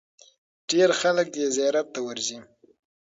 ډېر خلک یې زیارت ته ورځي.